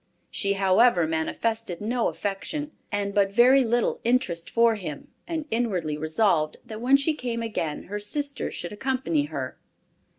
She however manifested no affection, and but very little interest for him, and inwardly resolved that when she came again her sister should accompany her.